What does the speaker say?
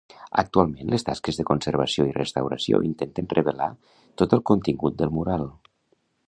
Actualment les tasques de conservació i restauració intenten revelar tot el contingut del mural.